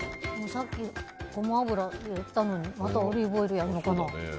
さっきゴマ油入れたのにまたオリーブオイルやるのかな。